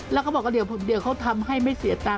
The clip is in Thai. แล้วก็บอกเดี๋ยวเขาทำให้ไม่เสียบ่น